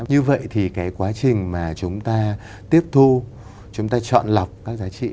như vậy thì cái quá trình mà chúng ta tiếp thu chúng ta chọn lọc các giá trị